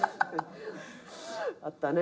あったね